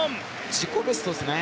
自己ベストですね。